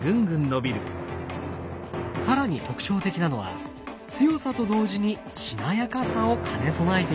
更に特徴的なのは強さと同時にしなやかさを兼ね備えていること。